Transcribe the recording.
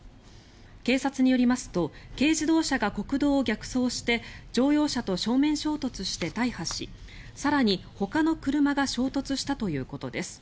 警察によりますと軽自動車が国道を逆走して乗用車と正面衝突して大破し更にほかの車が衝突したということです。